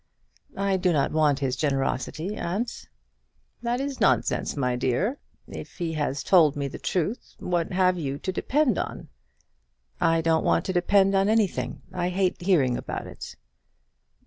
"I do not want his generosity, aunt." "That is nonsense, my dear. If he has told me the truth, what have you to depend on?" "I don't want to depend on anything. I hate hearing about it."